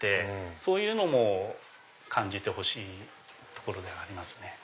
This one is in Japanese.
そういうのも感じてほしいところではあります。